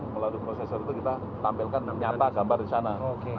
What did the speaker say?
melalui prosesor itu kita tampilkan nyata gambar di sana